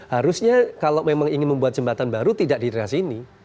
harusnya kalau memang ingin membuat jembatan baru tidak di daerah sini